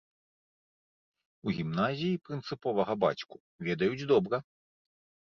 У гімназіі прынцыповага бацьку ведаюць добра.